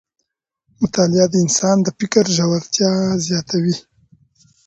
مطالعه د انسان د فکر ژورتیا زیاتوي